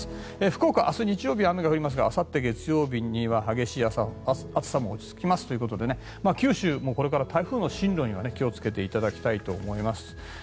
福岡、明日日曜日は雨が降りますがあさって月曜日には激しい暑さも落ち着きますということで九州、これから台風の進路には気をつけていただきたいと思います。